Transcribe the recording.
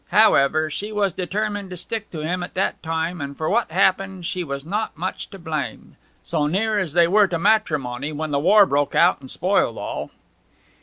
However, she was determined to stick to him at that time; and for what happened she was not much to blame, so near as they were to matrimony when the war broke out and spoiled all.'